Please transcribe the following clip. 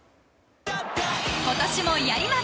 今年もやります！